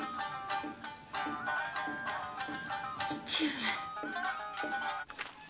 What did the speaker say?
父上。